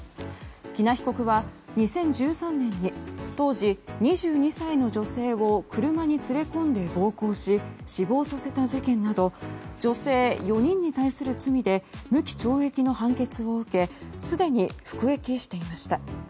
喜納被告は２０１３年に当時２２歳の女性を車に連れ込んで暴行し死亡させた事件など女性４人に対する罪で無期懲役の判決を受けすでに服役していました。